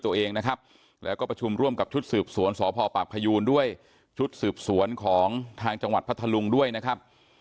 ตัวเองนะครับแล้วก็ประชุมร่วมกับชุดสืบสวนสพปากพยูนด้วยชุดสืบสวนของทางจังหวัดพัทธลุงด้วยนะครับ